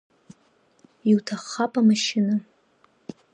Иуҭаххап амашьына.